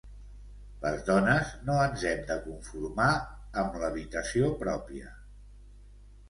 Les dones no ens hem de conformar amb ‘l’habitació pròpia’.